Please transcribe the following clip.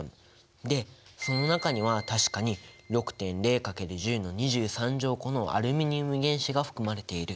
でその中には確かに６．０×１０の２３乗個のアルミニウム原子が含まれている。